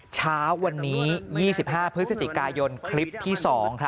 เช้าวันนี้๒๕พฤศจิกายนคลิปที่๒